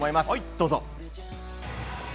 どうぞ。